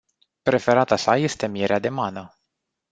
Preferata sa este mierea de mană.